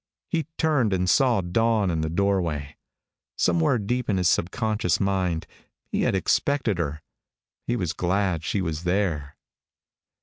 He turned and saw Dawn in the doorway. Somewhere deep in his subconscious mind he had expected her. He was glad she was there.